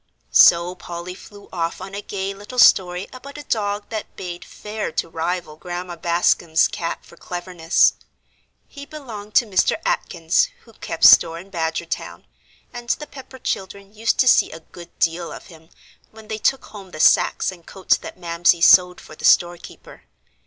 So Polly flew off on a gay little story about a dog that bade fair to rival Grandma Bascom's cat for cleverness. He belonged to Mr. Atkins who kept store in Badgertown, and the Pepper children used to see a good deal of him, when they took home the sacks and coats that Mamsie sewed for the storekeeper.